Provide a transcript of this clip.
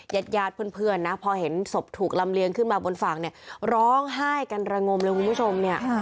ยัดยาดเพื่อนพอเห็นศพถูกลำเลี้ยงขึ้นมาบนฝั่งร้องไห้กันระงมเลยคุณผู้ชม